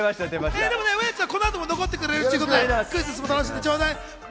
でもウエンツ、この後も残ってくれるってことで、クイズッスも楽しんでちょうだい。